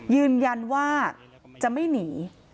ยืนยันว่าจะไม่หนี